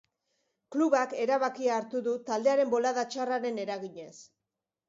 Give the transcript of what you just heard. Klubak erabakia hartu du taldearen bolada txarraren eraginez.